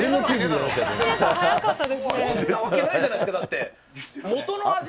そんなわけないじゃないですか、だって、元の味